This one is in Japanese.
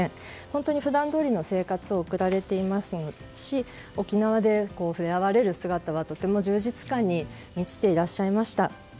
本当に普段どおりの生活を送られていますし沖縄で触れ合われる姿はとても充実感に満ちていらっしゃいました。